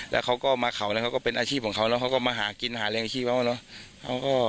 แล้วเขาก็มาเขาแล้วเขาก็เป็นอาชีพของเขาแล้วเขาก็มาหากินหาแรงชีพเขาเนอะ